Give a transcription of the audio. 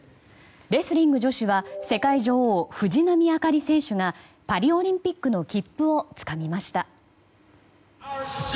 レスリング女子は世界女王・藤波朱理選手がパリオリンピックの切符をつかみました。